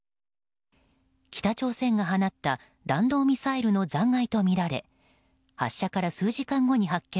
北朝鮮が放った弾道ミサイルの残骸とみられ発射から数時間後に発見。